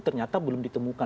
ternyata belum ditentukan